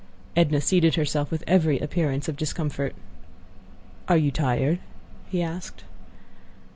Edna seated herself with every appearance of discomfort. "Are you tired?" he asked.